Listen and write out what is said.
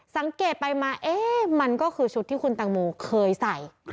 สังเกตไปมาเอ๊ะมันก็คือชุดที่คุณตังโมเคยใส่